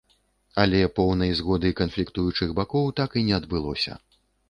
Але поўнай згоды канфліктуючых бакоў так і не адбылося.